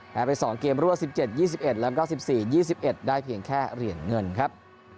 ไป๒เกมรวด๑๗๒๑แล้วก็๑๔๒๑ได้เพียงแค่เหรียญเงินครับ